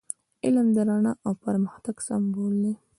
علم د رڼا او پرمختګ سمبول دی.